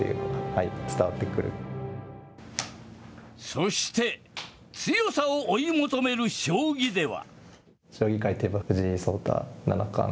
そして、強さを追い求める将棋では。